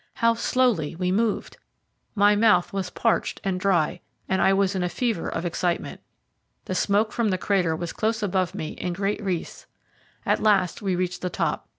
How slowly we moved! My mouth was parched and dry, and I was in a fever of excitement. The smoke from the crater was close above me in great wreaths. At last we reached the top.